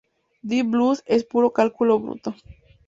Deep Blue es puro cálculo bruto.